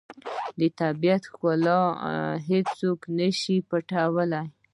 د طبیعت ښکلا هیڅوک نه شي پټولی.